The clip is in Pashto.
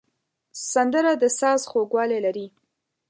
سندره د ساز خوږوالی لري